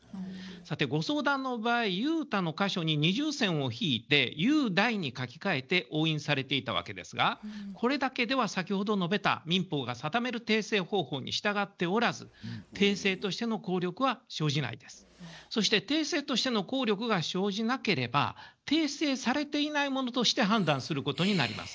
さてご相談の場合「雄太」の箇所に二重線を引いて「雄大」に書き換えて押印されていたわけですがこれだけでは先ほど述べた民法が定める訂正方法に従っておらずそして訂正としての効力が生じなければ訂正されていないものとして判断することになります。